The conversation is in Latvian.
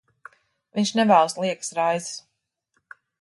Viņš nevēlas liekas raizes.